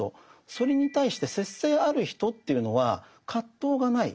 それに対して節制ある人というのは葛藤がない。